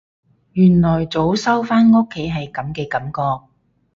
原來早收返屋企係噉嘅感覺